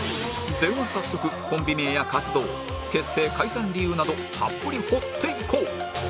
では早速コンビ名や活動結成解散理由などたっぷり掘っていこう